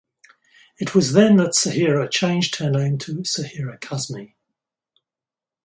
It was then that Sahira changed her name to Sahira Kazmi.